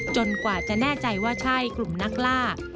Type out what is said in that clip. กว่าจะแน่ใจว่าใช่กลุ่มนักล่า